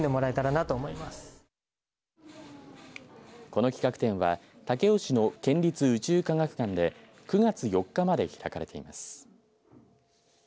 この企画展は武雄市の県立宇宙科学館で９月４日まで開かれています。